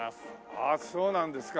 ああそうなんですか。